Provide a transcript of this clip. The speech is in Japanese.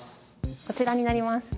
こちらになります。